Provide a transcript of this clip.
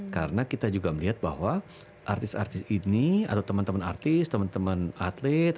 karena kita juga melihat bahwa artis artis ini atau teman teman artis teman teman atlet